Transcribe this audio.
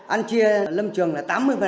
ăn chia lâm trường là tám mươi năm